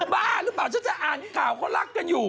บ้าหรือเปล่าฉันจะอ่านข่าวเขารักกันอยู่